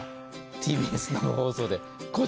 ＴＢＳ生放送で。